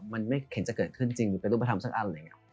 มันไม่เห็นจะเกิดขึ้นจริงหรือเป็นรูปธรรมสักอันอะไรอย่างนี้